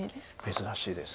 珍しいです。